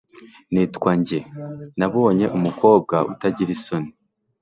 nitwa nge nabonye umukobwa utagira isoni